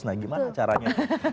nah gimana caranya